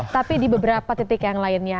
tapi di beberapa titik yang lainnya